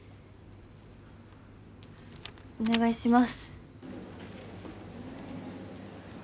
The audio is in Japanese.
お願いします。